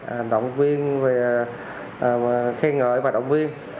hành động viên về khen ngợi và động viên